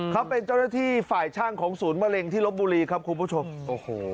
เขาเป็นเจ้าหน้าที่ฝ่ายช่างของศูนย์มะเร็งที่ลบบุรีครับคุณผู้ชมโอ้โห